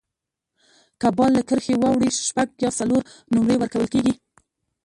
که بال له کرښي واوړي، شپږ یا څلور نومرې ورکول کیږي.